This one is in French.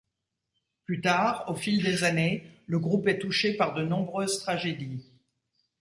Plus tard, au fil des années, le groupe est touché par de nombreuses tragédies.